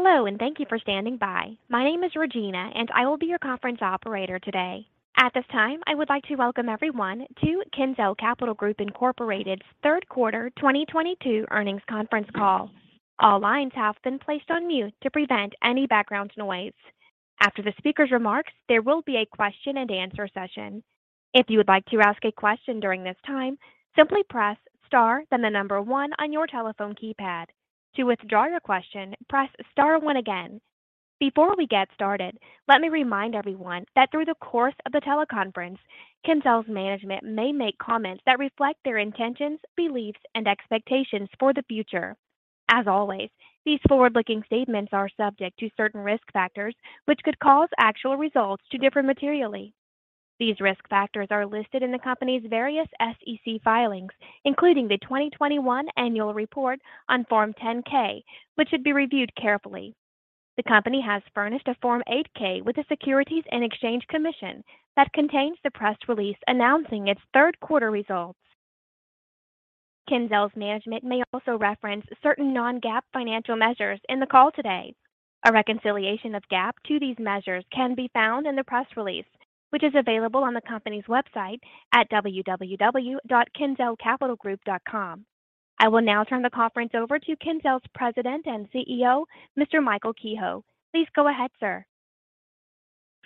Hello, and thank you for standing by. My name is Regina, and I will be your conference operator today. At this time, I would like to welcome everyone to Kinsale Capital Group, Inc.'s third quarter 2022 earnings conference call. All lines have been placed on mute to prevent any background noise. After the speaker's remarks, there will be a question and answer session. If you would like to ask a question during this time, simply press star then the number one on your telephone keypad. To withdraw your question, press star one again. Before we get started, let me remind everyone that through the course of the teleconference, Kinsale's management may make comments that reflect their intentions, beliefs, and expectations for the future. As always, these forward-looking statements are subject to certain risk factors, which could cause actual results to differ materially. These risk factors are listed in the company's various SEC filings, including the 2021 annual report on Form 10-K, which should be reviewed carefully. The company has furnished a Form 8-K with the Securities and Exchange Commission that contains the press release announcing its third quarter results. Kinsale's management may also reference certain non-GAAP financial measures in the call today. A reconciliation of GAAP to these measures can be found in the press release, which is available on the company's website at www.kinsalecapitalgroup.com. I will now turn the conference over to Kinsale's President and CEO, Mr. Michael Kehoe. Please go ahead, sir.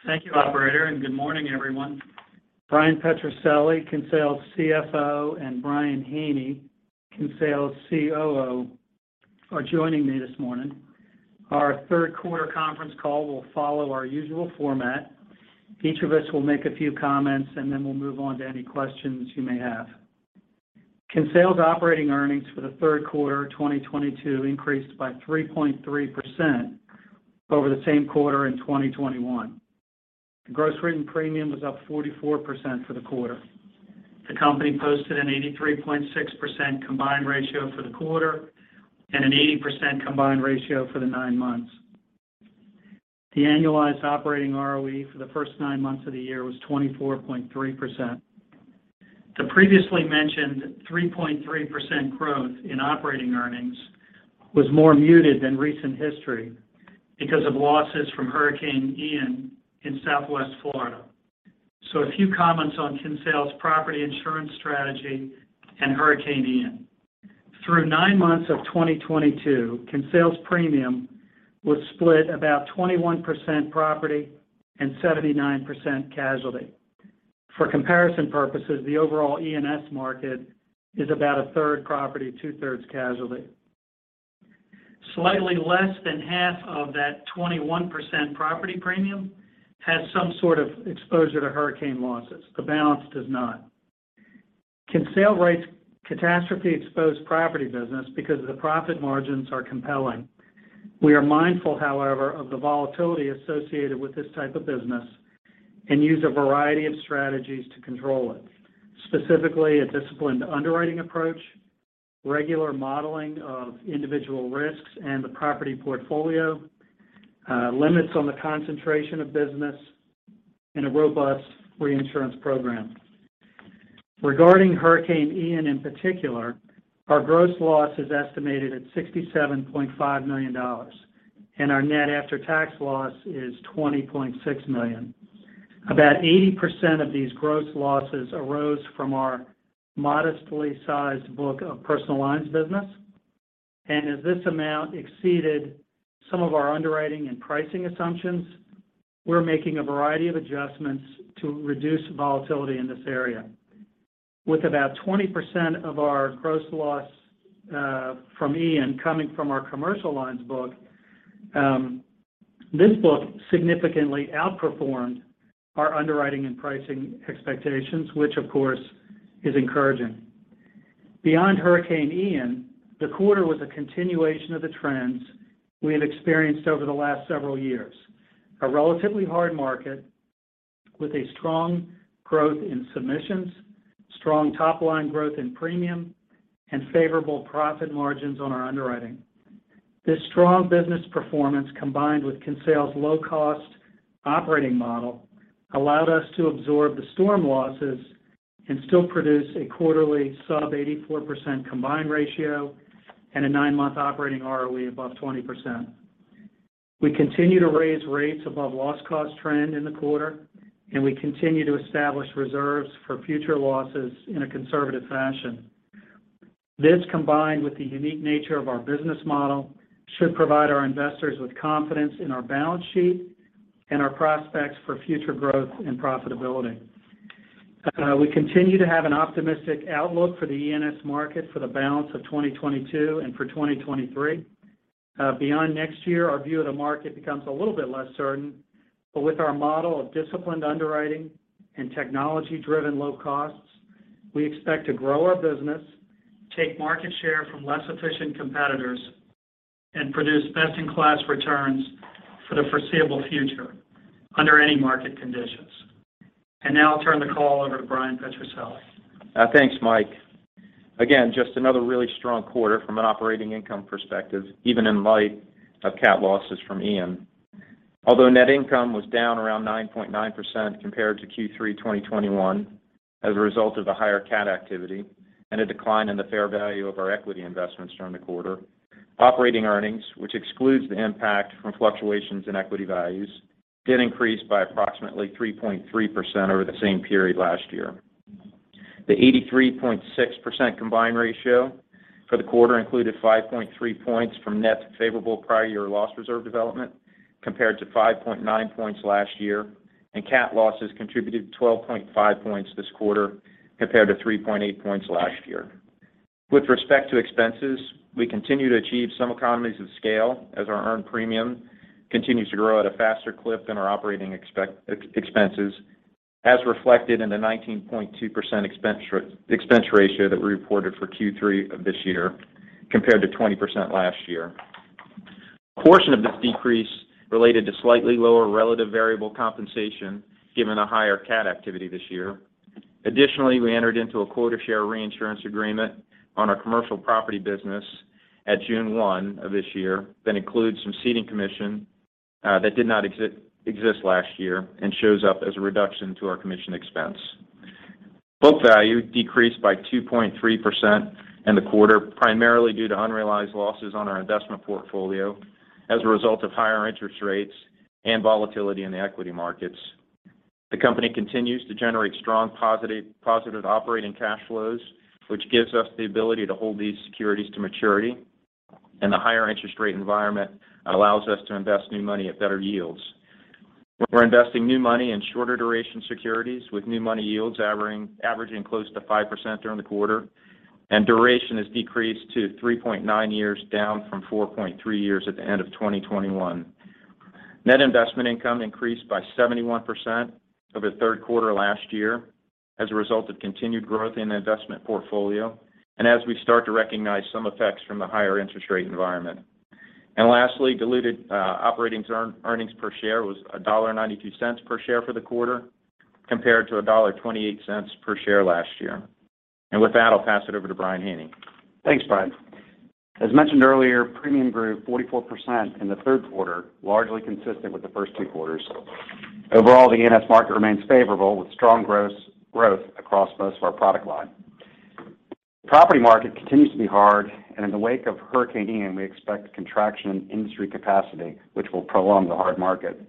Thank you, operator, and good morning, everyone. Bryan Petrucelli, Kinsale's CFO, and Brian Haney, Kinsale's COO, are joining me this morning. Our third quarter conference call will follow our usual format. Each of us will make a few comments, and then we'll move on to any questions you may have. Kinsale's operating earnings for the third quarter of 2022 increased by 3.3% over the same quarter in 2021. The gross written premium was up 44% for the quarter. The company posted an 83.6% combined ratio for the quarter and an 80% combined ratio for the nine months. The annualized operating ROE for the first nine months of the year was 24.3%. The previously mentioned 3.3% growth in operating earnings was more muted than recent history because of losses from Hurricane Ian in Southwest Florida. A few comments on Kinsale's property insurance strategy and Hurricane Ian. Through nine months of 2022, Kinsale's premium was split about 21% property and 79% casualty. For comparison purposes, the overall E&S market is about 1/3 property, 2/3 casualty. Slightly less than half of that 21% property premium has some sort of exposure to hurricane losses. The balance does not. Kinsale writes catastrophe-exposed property business because the profit margins are compelling. We are mindful, however, of the volatility associated with this type of business and use a variety of strategies to control it, specifically a disciplined underwriting approach, regular modeling of individual risks and the property portfolio, limits on the concentration of business, and a robust reinsurance program. Regarding Hurricane Ian in particular, our gross loss is estimated at $67.5 million, and our net after-tax loss is $20.6 million. About 80% of these gross losses arose from our modestly sized book of personal lines business. As this amount exceeded some of our underwriting and pricing assumptions, we're making a variety of adjustments to reduce volatility in this area. With about 20% of our gross loss from Ian coming from our commercial lines book, this book significantly outperformed our underwriting and pricing expectations, which of course is encouraging. Beyond Hurricane Ian, the quarter was a continuation of the trends we had experienced over the last several years. A relatively hard market with a strong growth in submissions, strong top-line growth in premium, and favorable profit margins on our underwriting. This strong business performance, combined with Kinsale's low-cost operating model, allowed us to absorb the storm losses and still produce a quarterly sub 84% combined ratio and a nine-month operating ROE above 20%. We continue to raise rates above loss cost trend in the quarter, and we continue to establish reserves for future losses in a conservative fashion. This, combined with the unique nature of our business model, should provide our investors with confidence in our balance sheet and our prospects for future growth and profitability. We continue to have an optimistic outlook for the E&S market for the balance of 2022 and for 2023. Beyond next year, our view of the market becomes a little bit less certain. With our model of disciplined underwriting and technology-driven low costs, we expect to grow our business, take market share from less efficient competitors, and produce best-in-class returns for the foreseeable future under any market conditions. Now I'll turn the call over to Bryan Petrucelli. Thanks, Mike. Again, just another really strong quarter from an operating income perspective, even in light of catastrophic losses from Hurricane Ian. Although net income was down around 9.9% compared to Q3 2021 as a result of the higher cat activity and a decline in the fair value of our equity investments during the quarter. Operating earnings, which excludes the impact from fluctuations in equity values, did increase by approximately 3.3% over the same period last year. The 83.6% combined ratio for the quarter included 5.3 points from net favorable prior year loss reserve development compared to 5.9 points last year, and cat losses contributed 12.5 points this quarter compared to 3.8 points last year. With respect to expenses, we continue to achieve some economies of scale as our earned premium continues to grow at a faster clip than our operating expenses, as reflected in the 19.2% expense ratio that we reported for Q3 of this year compared to 20% last year. A portion of this decrease related to slightly lower relative variable compensation given a higher cat activity this year. Additionally, we entered into a quota share reinsurance agreement on our commercial property business at June 1 of this year that includes some ceding commission, that did not exist last year and shows up as a reduction to our commission expense. Book value decreased by 2.3% in the quarter, primarily due to unrealized losses on our investment portfolio as a result of higher interest rates and volatility in the equity markets. The company continues to generate strong positive operating cash flows, which gives us the ability to hold these securities to maturity, and the higher interest rate environment allows us to invest new money at better yields. We're investing new money in shorter duration securities with new money yields averaging close to 5% during the quarter, and duration has decreased to 3.9 years, down from 4.3 years at the end of 2021. Net investment income increased by 71% over the third quarter last year as a result of continued growth in the investment portfolio, and as we start to recognize some effects from the higher interest rate environment. Lastly, diluted operating earnings per share was $1.92 per share for the quarter compared to $1.28 per share last year. With that, I'll pass it over to Brian Haney. Thanks, Brian. As mentioned earlier, premium grew 44% in the third quarter, largely consistent with the first two quarters. Overall, the E&S market remains favorable with strong gross growth across most of our product line. The property market continues to be hard, and in the wake of Hurricane Ian, we expect contraction in industry capacity, which will prolong the hard market.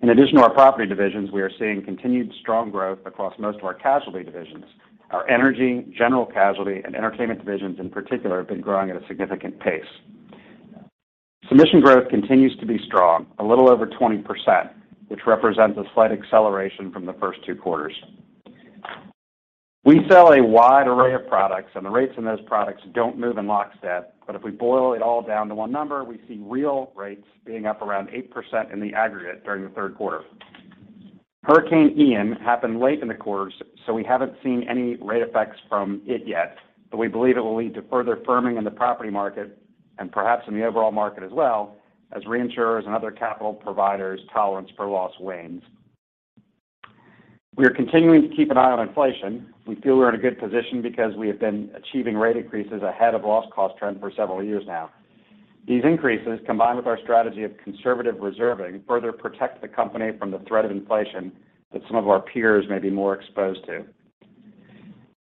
In addition to our property divisions, we are seeing continued strong growth across most of our casualty divisions. Our energy, general casualty, and entertainment divisions in particular have been growing at a significant pace. Submission growth continues to be strong, a little over 20%, which represents a slight acceleration from the first two quarters. We sell a wide array of products, and the rates in those products don't move in lockstep. If we boil it all down to one number, we see real rates being up around 8% in the aggregate during the third quarter. Hurricane Ian happened late in the quarter, so we haven't seen any rate effects from it yet. We believe it will lead to further firming in the property market and perhaps in the overall market as well as reinsurers and other capital providers' tolerance for loss wanes. We are continuing to keep an eye on inflation. We feel we're in a good position because we have been achieving rate increases ahead of loss cost trend for several years now. These increases, combined with our strategy of conservative reserving, further protect the company from the threat of inflation that some of our peers may be more exposed to.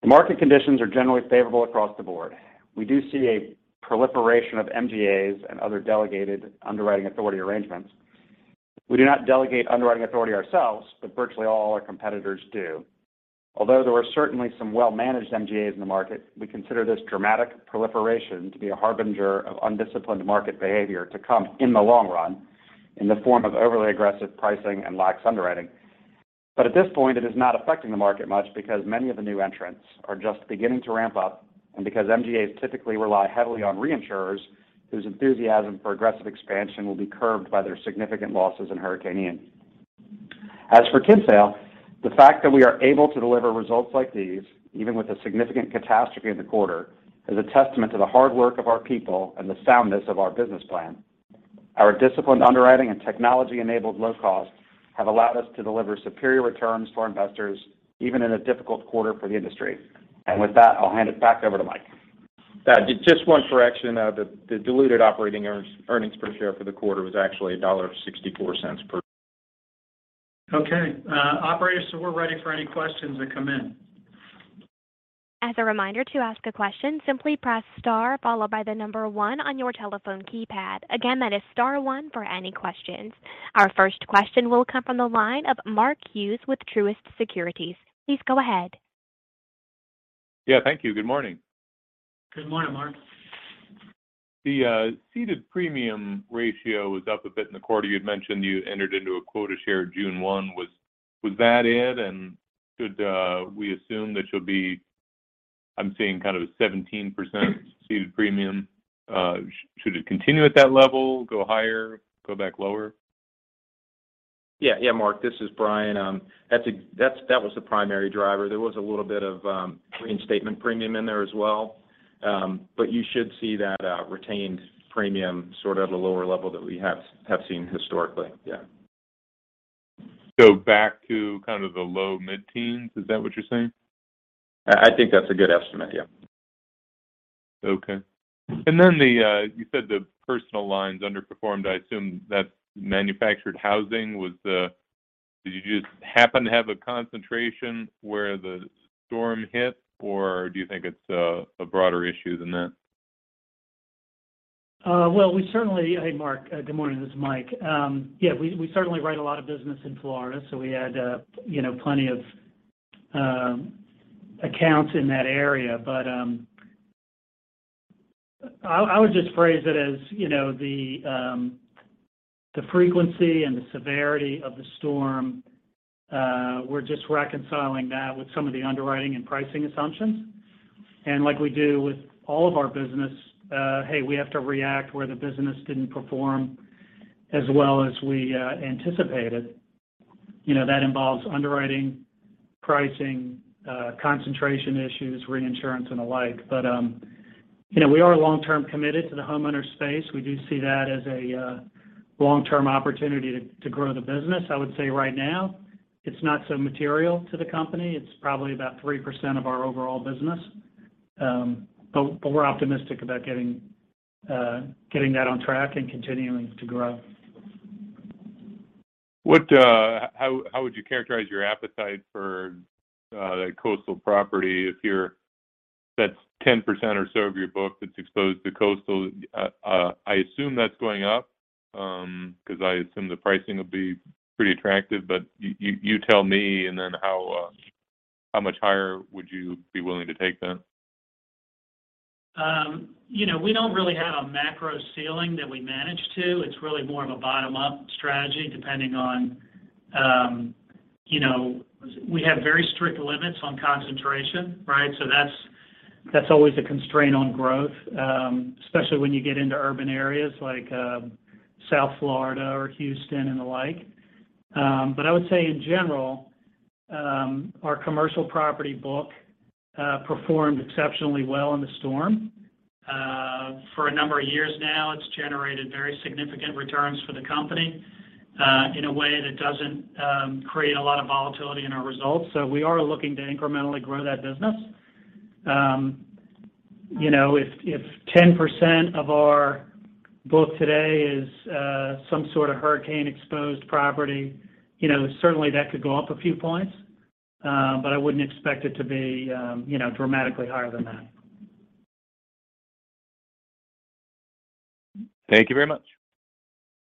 The market conditions are generally favorable across the board. We do see a proliferation of MGAs and other delegated underwriting authority arrangements. We do not delegate underwriting authority ourselves, but virtually all our competitors do. Although there are certainly some well-managed MGAs in the market, we consider this dramatic proliferation to be a harbinger of undisciplined market behavior to come in the long run in the form of overly aggressive pricing and lax underwriting. At this point, it is not affecting the market much because many of the new entrants are just beginning to ramp up, and because MGAs typically rely heavily on reinsurers whose enthusiasm for aggressive expansion will be curbed by their significant losses in Hurricane Ian. As for Kinsale, the fact that we are able to deliver results like these, even with a significant catastrophe in the quarter, is a testament to the hard work of our people and the soundness of our business plan. Our disciplined underwriting and technology-enabled low costs have allowed us to deliver superior returns to our investors, even in a difficult quarter for the industry. With that, I'll hand it back over to Mike. Just one correction. The diluted operating earnings per share for the quarter was actually $1.64. Okay. Operator, we're ready for any questions that come in. As a reminder to ask a question, simply press star followed by the number one on your telephone keypad. Again, that is star one for any questions. Our first question will come from the line of Mark Hughes with Truist Securities. Please go ahead. Yeah, thank you. Good morning. Good morning, Mark. The ceded premium ratio was up a bit in the quarter. You'd mentioned you entered into a quota share June 1. Was that it? Should we assume that I'm seeing kind of a 17% ceded premium. Should it continue at that level, go higher, go back lower? Yeah. Yeah, Mark, this is Brian. That was the primary driver. There was a little bit of reinstatement premium in there as well. You should see that retained premium sort of at a lower level than we have seen historically. Yeah. Back to kind of the low mid-teens, is that what you're saying? I think that's a good estimate, yeah. Okay. Then you said the personal lines underperformed. I assume that's manufactured housing. Did you just happen to have a concentration where the storm hit or do you think it's a broader issue than that? Hey, Mark. Good morning. This is Mike. Yeah, we certainly write a lot of business in Florida, so we had you know, plenty of accounts in that area. I would just phrase it as you know, the frequency and the severity of the storm, we're just reconciling that with some of the underwriting and pricing assumptions. Like we do with all of our business, hey, we have to react where the business didn't perform as well as we anticipated. You know, that involves underwriting, pricing, concentration issues, reinsurance and the like. You know, we are long-term committed to the homeowner space. We do see that as a long-term opportunity to grow the business. I would say right now it's not so material to the company. It's probably about 3% of our overall business. We're optimistic about getting that on track and continuing to grow. How would you characterize your appetite for the coastal property? That's 10% or so of your book that's exposed to coastal. I assume that's going up, because I assume the pricing will be pretty attractive. You tell me, and then how much higher would you be willing to take that? You know, we don't really have a macro ceiling that we manage to. It's really more of a bottom-up strategy depending on, you know, we have very strict limits on concentration, right? That's always a constraint on growth, especially when you get into urban areas like, South Florida or Houston and the like. I would say in general, our commercial property book performed exceptionally well in the storm. For a number of years now, it's generated very significant returns for the company, in a way that doesn't create a lot of volatility in our results. We are looking to incrementally grow that business. You know, if 10% of our book today is some sort of hurricane-exposed property, you know, certainly that could go up a few points, but I wouldn't expect it to be, you know, dramatically higher than that. Thank you very much.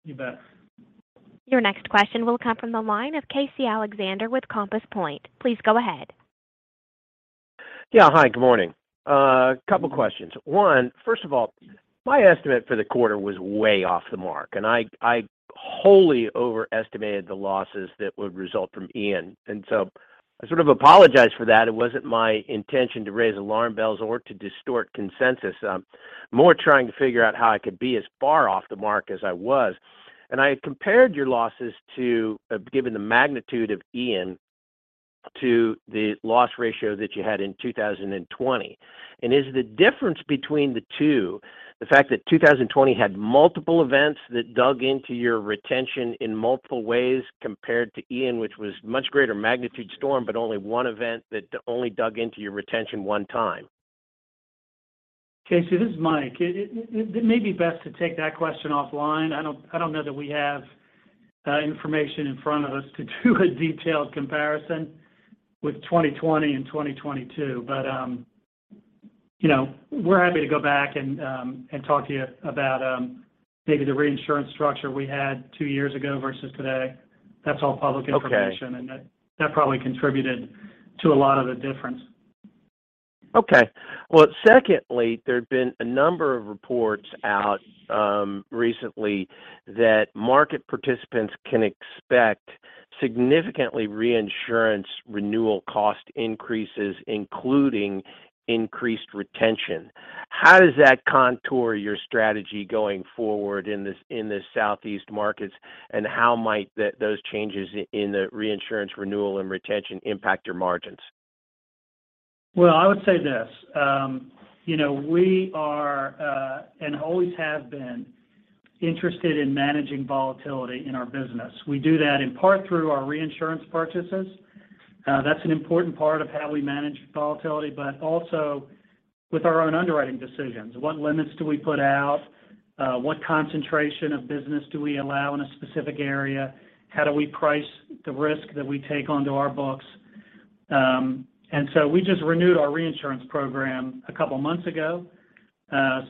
You bet. Your next question will come from the line of Casey Alexander with Compass Point. Please go ahead. Yeah. Hi, good morning. A couple questions. One, first of all, my estimate for the quarter was way off the mark, and I wholly overestimated the losses that would result from Ian. I sort of apologize for that. It wasn't my intention to raise alarm bells or to distort consensus. More trying to figure out how I could be as far off the mark as I was. I compared your losses to, given the magnitude of Ian, to the loss ratio that you had in 2020. Is the difference between the two, the fact that 2020 had multiple events that dug into your retention in multiple ways compared to Ian, which was much greater magnitude storm, but only one event that only dug into your retention one time? Casey, this is Mike. It may be best to take that question offline. I don't know that we have information in front of us to do a detailed comparison with 2020 and 2022. You know, we're happy to go back and talk to you about maybe the reinsurance structure we had two years ago versus today. That's all public information. Okay. That probably contributed to a lot of the difference. Okay. Well, secondly, there have been a number of reports out recently that market participants can expect significantly reinsurance renewal cost increases, including increased retention. How does that contour your strategy going forward in this Southeast markets, and how might those changes in the reinsurance renewal and retention impact your margins? Well, I would say this. You know, we are and always have been interested in managing volatility in our business. We do that in part through our reinsurance purchases. That's an important part of how we manage volatility, but also with our own underwriting decisions. What limits do we put out? What concentration of business do we allow in a specific area? How do we price the risk that we take onto our books? We just renewed our reinsurance program a couple months ago,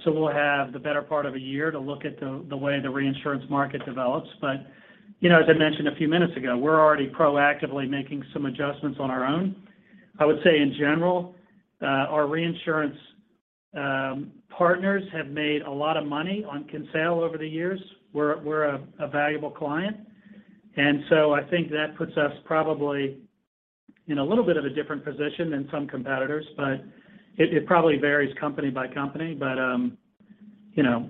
so we'll have the better part of a year to look at the way the reinsurance market develops. You know, as I mentioned a few minutes ago, we're already proactively making some adjustments on our own. I would say in general, our reinsurance partners have made a lot of money on Kinsale over the years. We're a valuable client. I think that puts us probably in a little bit of a different position than some competitors, but it probably varies company by company. You know,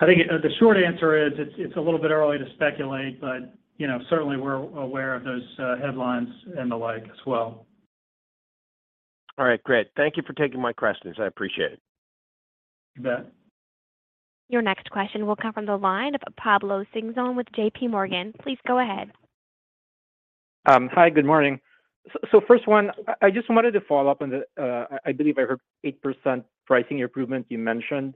I think the short answer is it's a little bit early to speculate, but you know, certainly we're aware of those headlines and the like as well. All right, great. Thank you for taking my questions. I appreciate it. You bet. Your next question will come from the line of Pablo Singzon with JPMorgan. Please go ahead. Hi, good morning. First one, I just wanted to follow up on the, I believe I heard 8% pricing improvement you mentioned.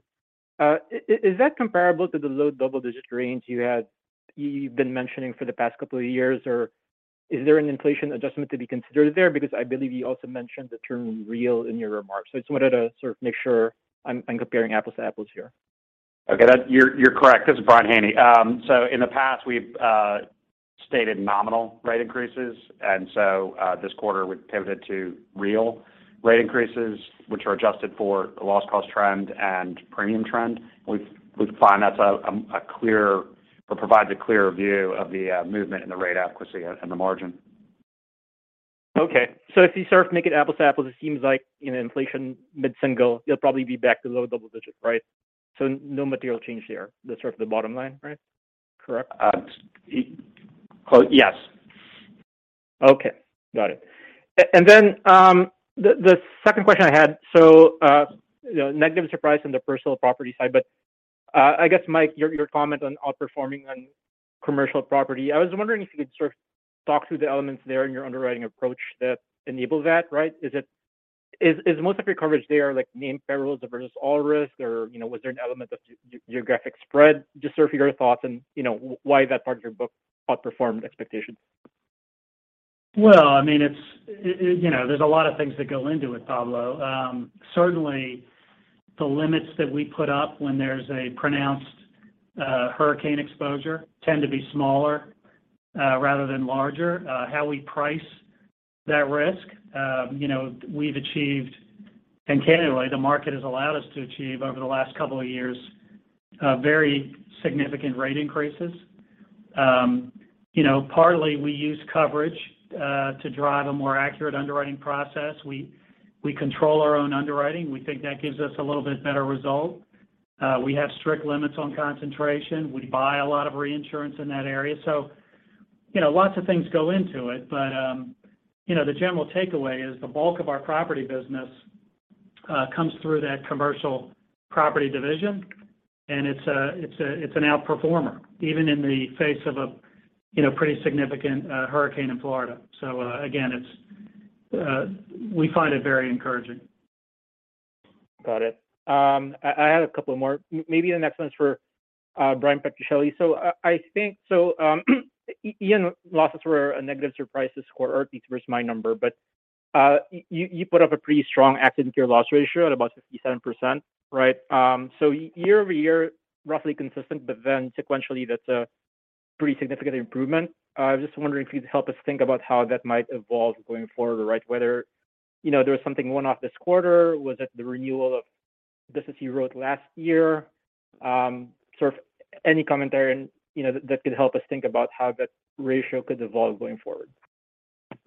Is that comparable to the low double-digit range you've been mentioning for the past couple of years? Or is there an inflation adjustment to be considered there? Because I believe you also mentioned the term real in your remarks. I just wanted to sort of make sure I'm comparing apples to apples here. Okay. You're correct. This is Brian Haney. In the past, we've stated nominal rate increases. This quarter we pivoted to real rate increases, which are adjusted for the loss cost trend and premium trend. We find that's a clearer view of the movement in the rate adequacy and the margin. Okay. If you sort of make it apples to apples, it seems like in an inflation mid-single, you'll probably be back to low double digits, right? No material change there. That's sort of the bottom line, right? Correct? Well, yes. Okay. Got it. The second question I had, so, you know, negative surprise on the personal property side, but, I guess, Mike, your comment on outperforming on commercial property, I was wondering if you could sort of talk through the elements there in your underwriting approach that enable that, right? Is most of your coverage there, like, named perils versus all risk or, you know, was there an element of geographic spread? Just sort of your thoughts and, you know, why that part of your book outperformed expectations. Well, I mean, it's you know, there's a lot of things that go into it, Pablo. Certainly the limits that we put up when there's a pronounced hurricane exposure tend to be smaller rather than larger. How we price that risk, you know, we've achieved, and candidly, the market has allowed us to achieve over the last couple of years very significant rate increases. You know, partly we use coverage to drive a more accurate underwriting process. We control our own underwriting. We think that gives us a little bit better result. We have strict limits on concentration. We buy a lot of reinsurance in that area, so you know, lots of things go into it. You know, the general takeaway is the bulk of our property business comes through that commercial property division, and it's an outperformer, even in the face of a you know, pretty significant hurricane in Florida. Again, we find it very encouraging. Got it. I had a couple more. Maybe the next one's for Bryan Petrucelli. I think E&S losses were a negative surprise this quarter at least versus my number. But you put up a pretty strong accident year loss ratio at about 57%, right? Year-over-year, roughly consistent, but then sequentially, that's a pretty significant improvement. I was just wondering if you'd help us think about how that might evolve going forward, right? Whether, you know, there was something one-off this quarter. Was it the renewal of business you wrote last year? Sort of any commentary and, you know, that could help us think about how that ratio could evolve going forward.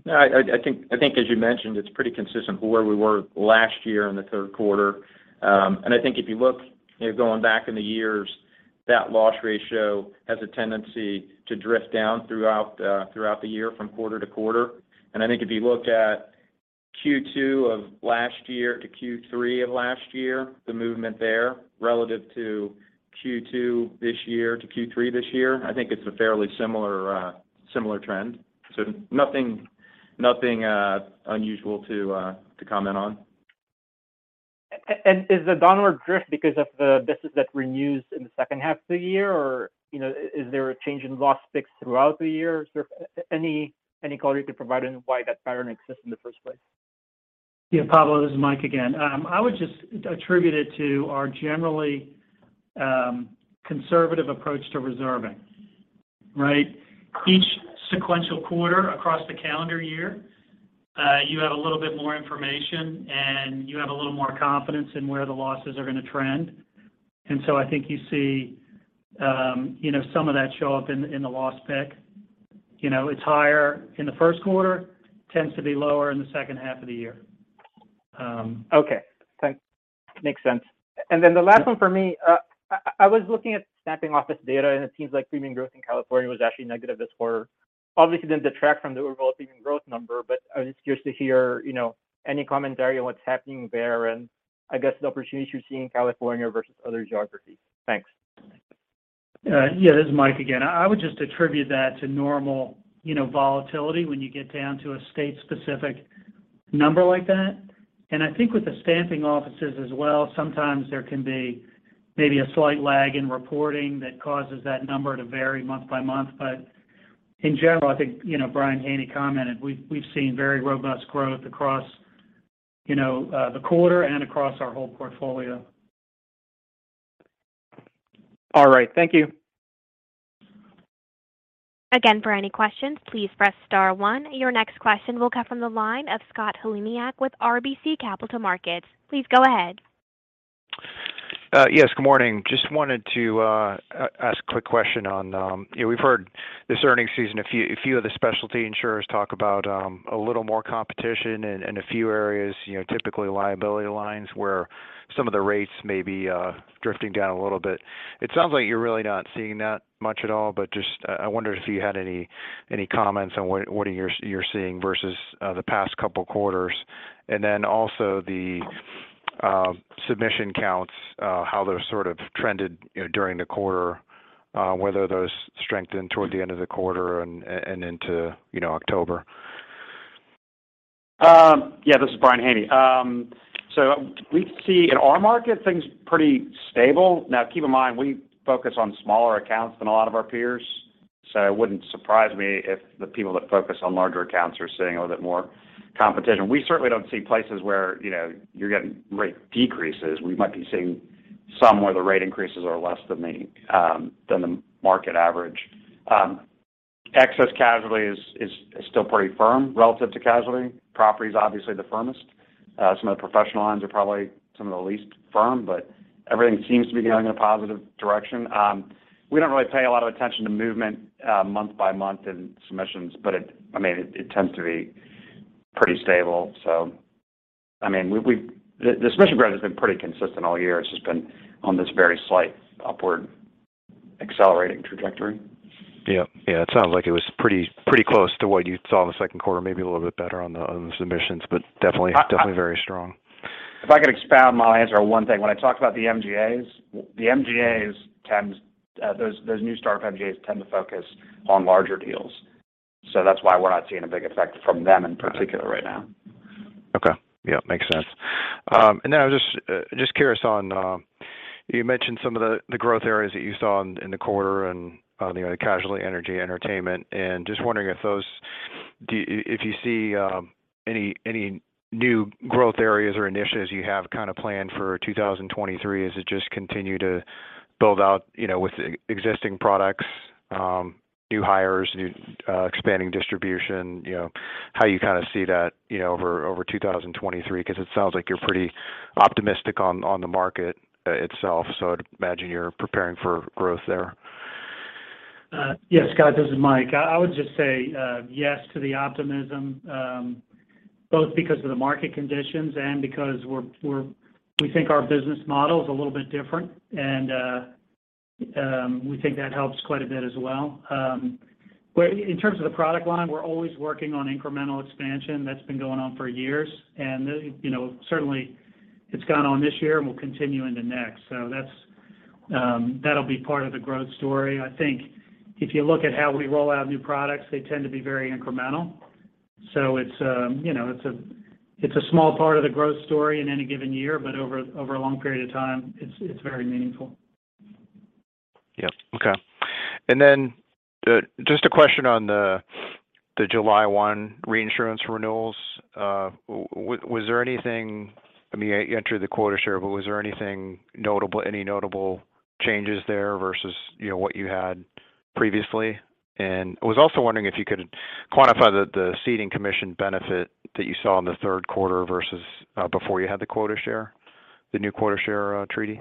No, I think as you mentioned, it's pretty consistent with where we were last year in the third quarter. I think if you look, you know, going back in the years, that loss ratio has a tendency to drift down throughout the year from quarter to quarter. I think if you look at Q2 of last year to Q3 of last year, the movement there relative to Q2 this year to Q3 this year, I think it's a fairly similar trend. Nothing unusual to comment on. Is the downward drift because of the business that renews in the second half of the year? Or, you know, is there a change in loss picks throughout the year? Sort of any color you could provide on why that pattern exists in the first place? Yeah, Pablo, this is Mike again. I would just attribute it to our generally conservative approach to reserving, right? Each sequential quarter across the calendar year, you have a little bit more information, and you have a little more confidence in where the losses are going to trend. I think you see, you know, some of that show up in the loss pick. You know, it's higher in the first quarter, tends to be lower in the second half of the year. Okay. Thanks. Makes sense. The last one for me, I was looking at Stamping Office data, and it seems like premium growth in California was actually negative this quarter. Obviously, didn't detract from the overall premium growth number, but I was just curious to hear, you know, any commentary on what's happening there and I guess the opportunities you see in California versus other geographies. Thanks. Yeah. This is Mike again. I would just attribute that to normal, you know, volatility when you get down to a state-specific number like that. I think with the stamping offices as well, sometimes there can be maybe a slight lag in reporting that causes that number to vary month by month. In general, I think, you know, Brian Haney commented, we've seen very robust growth across, you know, the quarter and across our whole portfolio. All right. Thank you. Again, for any questions, please press star one. Your next question will come from the line of Scott Heleniak with RBC Capital Markets. Please go ahead. Yes, good morning. Just wanted to ask a quick question on, you know, we've heard this earnings season a few of the specialty insurers talk about a little more competition in a few areas, you know, typically liability lines where some of the rates may be drifting down a little bit. It sounds like you're really not seeing that much at all. But just, I wondered if you had any comments on what you're seeing versus the past couple quarters. Then also the submission counts, how they're sort of trended, you know, during the quarter, whether those strengthened toward the end of the quarter and into October. Yeah, this is Brian Haney. We see in our market things pretty stable. Now, keep in mind, we focus on smaller accounts than a lot of our peers, so it wouldn't surprise me if the people that focus on larger accounts are seeing a little bit more competition. We certainly don't see places where, you know, you're getting rate decreases. We might be seeing some where the rate increases are less than the market average. Excess casualty is still pretty firm relative to casualty. Property is obviously the firmest. Some of the professional lines are probably some of the least firm, but everything seems to be going in a positive direction. We don't really pay a lot of attention to movement month by month in submissions, but I mean, it tends to be pretty stable. The submission rate has been pretty consistent all year. It's just been on this very slight upward accelerating trajectory. Yeah. It sounds like it was pretty close to what you saw in the second quarter. Maybe a little bit better on the submissions, but definitely very strong. If I could expound my answer on one thing. When I talk about the MGAs, those new startup MGAs tend to focus on larger deals, so that's why we're not seeing a big effect from them in particular right now. Okay. Yeah, makes sense. I was just curious. You mentioned some of the growth areas that you saw in the quarter and you know the casualty, energy, entertainment. Just wondering if you see any new growth areas or initiatives you have kind of planned for 2023? Is it just continue to build out you know with existing products, new hires, new expanding distribution? You know, how you kind of see that you know over 2023? 'Cause it sounds like you're pretty optimistic on the market itself, so I'd imagine you're preparing for growth there. Yeah, Scott, this is Mike. I would just say yes to the optimism, both because of the market conditions and because we think our business model is a little bit different and we think that helps quite a bit as well. In terms of the product line, we're always working on incremental expansion. That's been going on for years. You know, certainly it's gone on this year, and we'll continue into next. That's, that'll be part of the growth story. I think if you look at how we roll out new products, they tend to be very incremental. It's, you know, it's a small part of the growth story in any given year, but over a long period of time, it's very meaningful. Yeah. Okay. Just a question on the July 1 reinsurance renewals. I mean, you entered the quota share, but was there anything notable, any notable changes there versus, you know, what you had previously? I was also wondering if you could quantify the ceding commission benefit that you saw in the third quarter versus before you had the quota share, the new quota share treaty.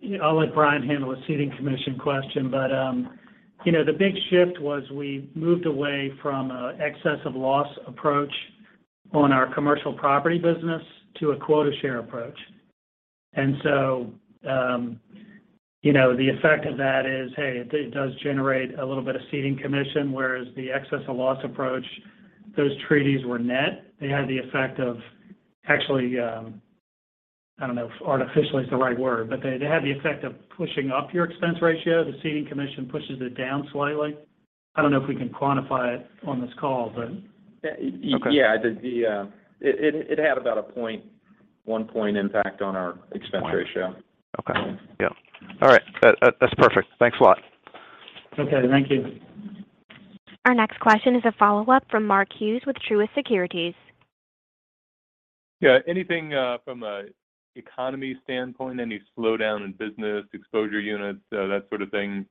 You know, I'll let Brian handle the ceding commission question. You know, the big shift was we moved away from a excess of loss approach on our commercial property business to a quota share approach. You know, the effect of that is, hey, it does generate a little bit of ceding commission, whereas the excess of loss approach, those treaties were net. They had the effect of actually, I don't know if artificially is the right word, but they had the effect of pushing up your expense ratio. The ceding commission pushes it down slightly. I don't know if we can quantify it on this call. Yeah. Okay. Yeah. It had about a 0.1-point impact on our expense ratio. One. Okay. Yeah. All right. That's perfect. Thanks a lot. Okay. Thank you. Our next question is a follow-up from Mark Hughes with Truist Securities. Yeah. Anything from an economy standpoint, any slowdown in business, exposure units, that sort of thing,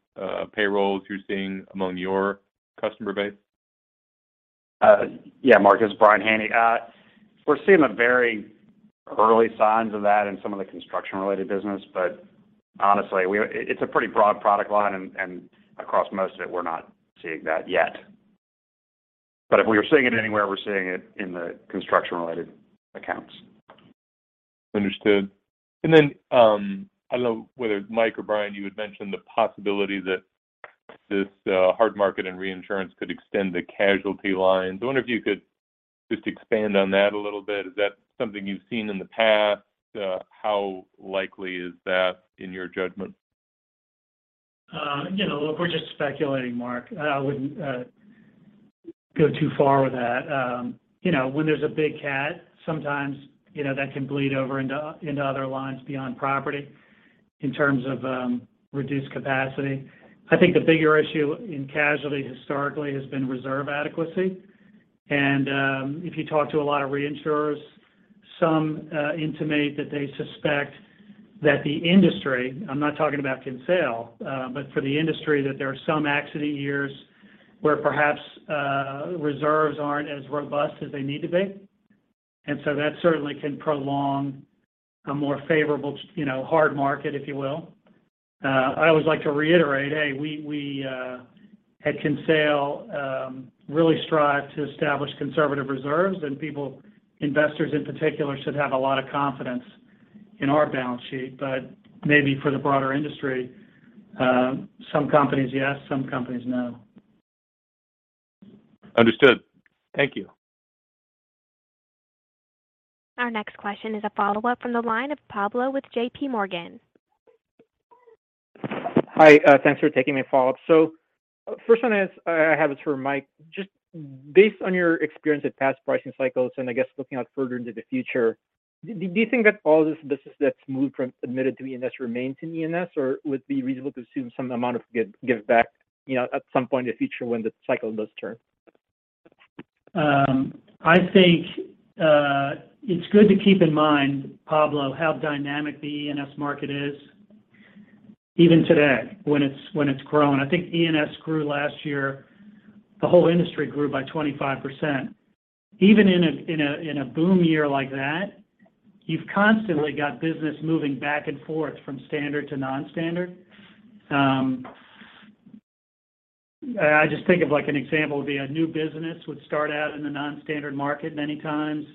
payrolls you're seeing among your customer base? Yeah, Mark, this is Brian Haney. We're seeing the very early signs of that in some of the construction-related business, but honestly, it's a pretty broad product line, and across most of it, we're not seeing that yet. But if we were seeing it anywhere, we're seeing it in the construction-related accounts. Understood. I don't know whether Mike or Brian, you had mentioned the possibility that this hard market and reinsurance could extend the casualty lines. I wonder if you could just expand on that a little bit. Is that something you've seen in the past? How likely is that in your judgment? You know, look, we're just speculating, Mark. I wouldn't go too far with that. You know, when there's a big cat, sometimes, you know, that can bleed over into other lines beyond property in terms of reduced capacity. I think the bigger issue in casualty historically has been reserve adequacy. If you talk to a lot of reinsurers, some indicate that they suspect that the industry, I'm not talking about Kinsale, but for the industry, that there are some accident years where perhaps reserves aren't as robust as they need to be. That certainly can prolong a more favorable, you know, hard market, if you will. I always like to reiterate, hey, we at Kinsale really strive to establish conservative reserves, and people, investors in particular, should have a lot of confidence in our balance sheet. Maybe for the broader industry, some companies, yes, some companies, no. Understood. Thank you. Our next question is a follow-up from the line of Pablo with JPMorgan. Hi, thanks for taking my follow-up. First one is, I have is for Michael. Just based on your experience with past pricing cycles and I guess looking out further into the future, do you think that all this business that's moved from admitted to E&S remains in E&S, or would it be reasonable to assume some amount of give back, you know, at some point in the future when the cycle does turn? I think it's good to keep in mind, Pablo, how dynamic the E&S market is even today when it's growing. I think E&S grew last year, the whole industry grew by 25%. Even in a boom year like that, you've constantly got business moving back and forth from standard to non-standard. I just think of like an example would be a new business would start out in the non-standard market many times.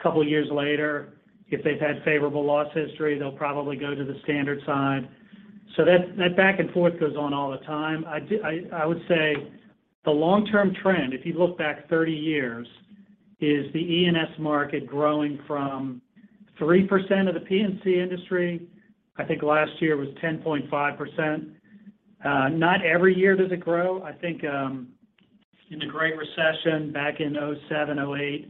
Couple years later, if they've had favorable loss history, they'll probably go to the standard side. That back and forth goes on all the time. I would say the long-term trend, if you look back 30 years, is the E&S market growing from 3% of the P&C industry. I think last year was 10.5%. Not every year does it grow. I think, in the Great Recession back in 2007, 2008,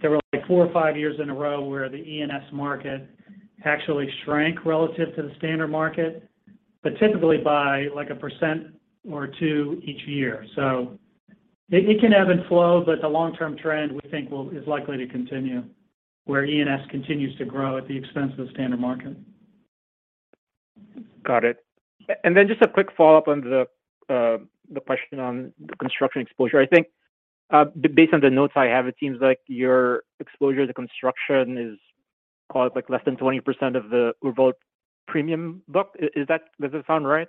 there were like four or five years in a row where the E&S market actually shrank relative to the standard market. Typically by like 1% or 2% each year. It can ebb and flow, but the long-term trend we think is likely to continue, where E&S continues to grow at the expense of the standard market. Got it. Just a quick follow-up on the question on construction exposure. I think, based on the notes I have, it seems like your exposure to construction is probably like less than 20% of the overall premium book. Is that? Does that sound right?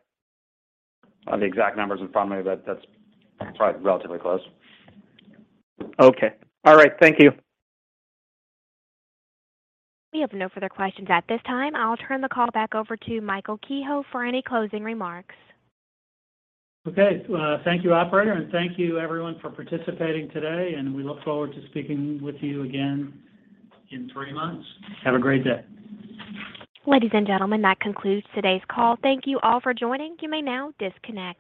I don't have the exact numbers in front of me, but that's probably relatively close. Okay. All right. Thank you. We have no further questions at this time. I'll turn the call back over to Michael Kehoe for any closing remarks. Okay. Thank you, operator, and thank you everyone for participating today, and we look forward to speaking with you again in three months. Have a great day. Ladies and gentlemen, that concludes today's call. Thank you all for joining. You may now disconnect.